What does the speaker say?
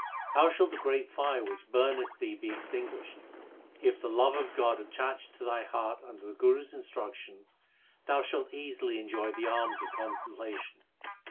How shall the great fire which burneth thee be ex tinguished ? If the love of God attach to thy heart under the Guru s instruction, Thou shalt easily enjoy the alms of contemplation.